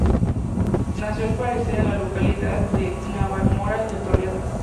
Nació al parecer en la localidad de Navalmoral de Toledo.